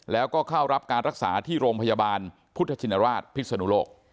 แล้วก็เข้ารับการรักษาที่โรงพยาบาลพุทธชินราชพิศนุโลก